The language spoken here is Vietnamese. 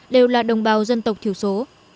đầu là đồng bào dân tộc thiểu số